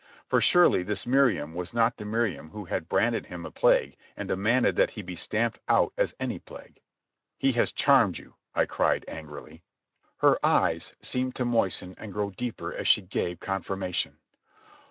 For surely this Miriam was not the Miriam who had branded him a plague and demanded that he be stamped out as any plague. "He has charmed you," I cried angrily. Her eyes seemed to moisten and grow deeper as she gave confirmation.